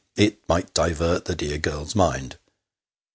It might divert the dear girl's mind.